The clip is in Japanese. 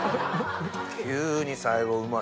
急に最後「うまし」。